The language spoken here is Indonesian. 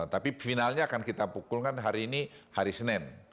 tapi finalnya akan kita pukulkan hari ini hari senin